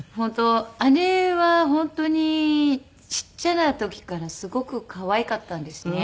姉は本当にちっちゃな時からすごく可愛かったんですね。